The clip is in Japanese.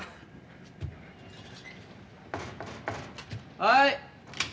はい。